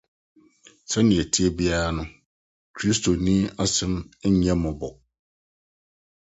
Sɛnea ɛte biara no, Kristoni asɛm nyɛ mmɔbɔ.